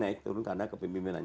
naik turun karena kepemimpinan